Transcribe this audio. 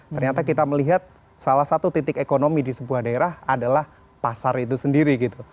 ternyata kita melihat salah satu titik ekonomi di sebuah daerah adalah pasar itu sendiri gitu